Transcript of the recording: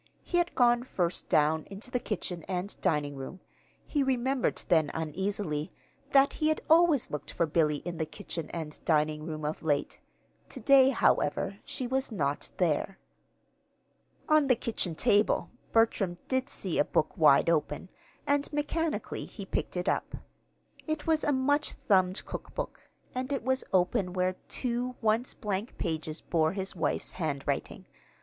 He had gone first down into the kitchen and dining room. He remembered then, uneasily, that he had always looked for Billy in the kitchen and dining room, of late. To day, however, she was not there. On the kitchen table Bertram did see a book wide open, and, mechanically, he picked it up. It was a much thumbed cookbook, and it was open where two once blank pages bore his wife's handwriting.